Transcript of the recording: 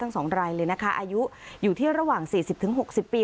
ทั้งสองไรเลยนะคะอายุอยู่ที่ระหว่างสี่สิบถึงหกสิบปี